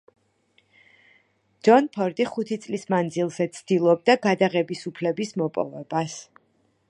ჯონ ფორდი ხუთი წლის მანძილზე ცდილობდა გადაღების უფლების მოპოვებას.